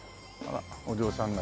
お嬢さん方